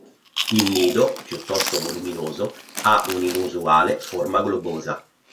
Il nido, piuttosto voluminoso, ha un'inusuale forma globosa.